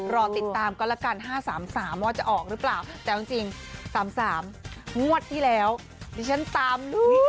รอติดตามก็ละกัน๕๓๓ว่าจะออกหรือเปล่าแต่เอาจริง๓๓งวดที่แล้วดิฉันตามดู